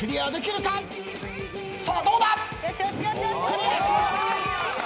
クリアしました！